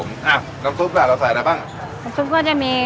น้ำซุปล่ะเราใส่อะไรบ้างน้ำซุปก็จะมี